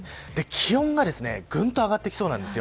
気温がぐんと上がってきそうです。